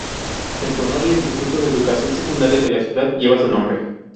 En su honor el instituto de educación secundaria de la ciudad lleva su nombre.